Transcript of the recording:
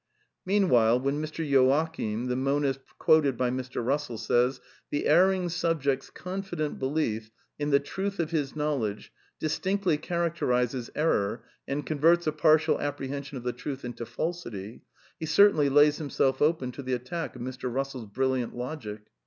Meanwhile, when Mr. Joachim, the monist quoted by Mr. Russell, says, "The erring subject's confident belief in the truth of his knowledge distinctly characterizes error and converts a partial apprehension of the truth into falsity," he certainly lays himself open to the attack of Mr. Rus sell's brilliant logic.